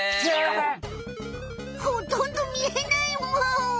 ほとんどみえないむ！